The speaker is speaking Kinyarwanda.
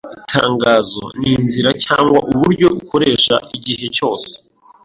Itangazo ni inzira cyangwa uburyo ukoresha igihe cyose